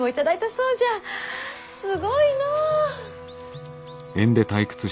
すごいのう。